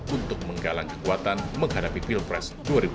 untuk menggalang kekuatan menghadapi pilpres dua ribu sembilan belas